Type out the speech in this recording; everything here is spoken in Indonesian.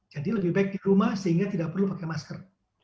jadi lebih baik di rumah sehingga tidak perlu pakai masker